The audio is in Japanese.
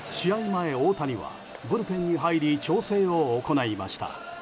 前、大谷はブルペンに入り調整を行いました。